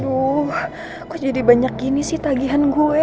duh kok jadi banyak gini sih tagihan gue